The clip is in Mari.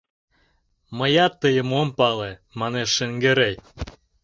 — Мыят тыйым ом пале, — манеш Шаҥгерей.